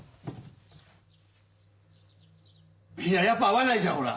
いややっぱ合わないじゃんほら。